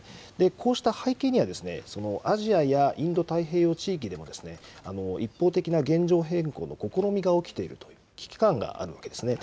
こうした背景には、アジアやインド太平洋地域でも一方的な現状変更の試みが起きているという危機感があるわけですね。